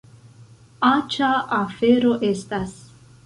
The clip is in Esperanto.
Aĉa afero estas!